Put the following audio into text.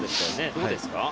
どうですか？